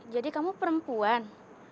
jadi kamu perempuan